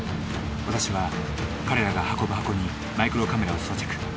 私は彼らが運ぶ箱にマイクロカメラを装着。